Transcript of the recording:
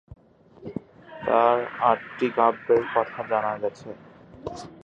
তার আটটি কাব্যের কথা জানা গেছে।